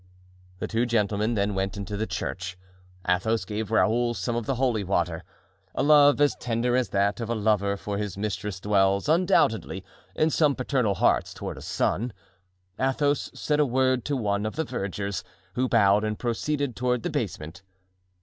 The two gentlemen then went into the church. Athos gave Raoul some of the holy water. A love as tender as that of a lover for his mistress dwells, undoubtedly, in some paternal hearts toward a son. Athos said a word to one of the vergers, who bowed and proceeded toward the basement.